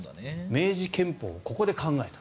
明治憲法をここで考えた。